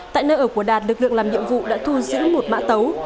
tại nơi ở của đạt lực lượng làm nhiệm vụ đã thu giữ một mã tấu